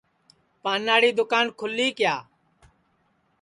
پاناڑی دؔوکان کھولی کیا